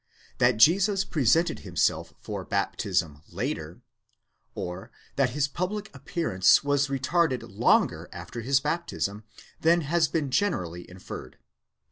that Jesus presented himself for baptism later, or that his public appearance was retarded longer after his baptism, than has been generally inferred.